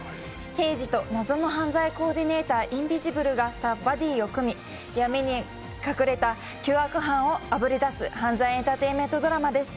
刑事と謎の犯罪コーディネーター、インビジブルがバディを組み闇に隠れた凶悪犯をあぶり出す犯罪エンターテインメントです。